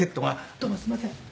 「どうもすいません。